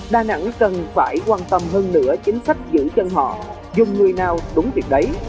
đà nẵng cần phải quan tâm hơn nữa chính sách giữ chân họ dùng người nào đúng việc đấy